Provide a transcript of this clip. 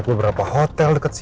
ngecek beberapa hotel deket sini